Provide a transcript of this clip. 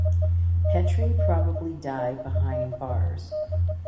Petri probably died behind bars.